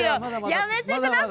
やめてくださいよ。